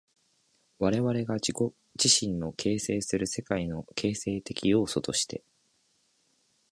我々が自己自身を形成する世界の形成的要素として、